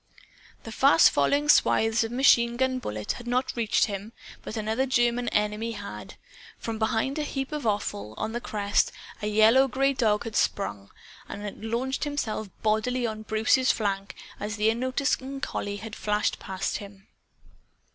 The fast following swaths of machine gun bullets had not reached him. But another German enemy had. From behind a heap of offal, on the crest, a yellow gray dog had sprung, and had launched himself bodily upon Bruce's flank as the unnoticing collie had flashed past him.